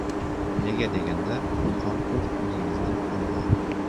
— Nega deganda, Qonqus o‘zimizning anhor.